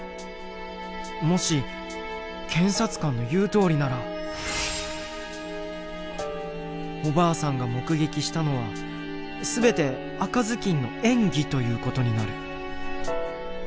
もし検察官の言うとおりならおばあさんが目撃したのは全て赤ずきんの演技という事になる。